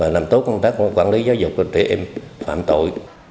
làm tốt công tác quản lý giáo dục cho trẻ em phạm tội